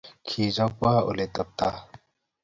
Kichoba oleteptaa.